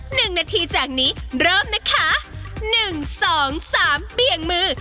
หนึ่งนาทีจากนี้เริ่มนะคะหนึ่งสองสามเบี่ยงมือ